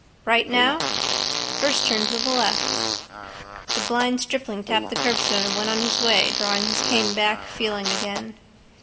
—Right now? First turn to the left. The blind stripling tapped the curbstone and went on his way, drawing his cane back, feeling again.